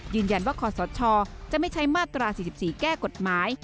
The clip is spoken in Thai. ยืนยันว่าคศชจะไม่ใช้มาตรา๔๔แก้กฎหมาย